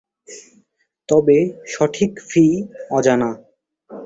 তবে সঠিক ফী অজানা।